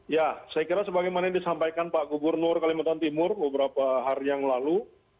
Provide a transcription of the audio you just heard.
ya saya kira sebagaimana yang disampaikan pak gubernur kalimantan timur beberapa hari yang lalu